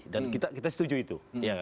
dan kita setuju itu